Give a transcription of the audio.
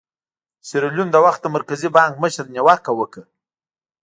د سیریلیون د وخت د مرکزي بانک مشر نیوکه وکړه.